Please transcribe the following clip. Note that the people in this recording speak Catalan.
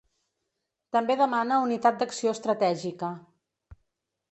També demana unitat d’acció estratègica.